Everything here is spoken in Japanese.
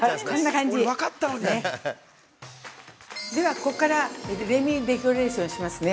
ここからレミーデコレーションしますね。